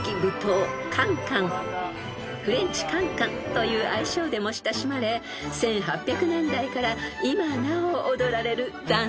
［フレンチカンカンという愛称でも親しまれ１８００年代から今なお踊られるダンスです］